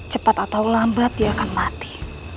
cepat atau lambat dia akan mati